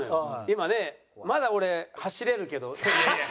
今ねまだ俺走れるけど。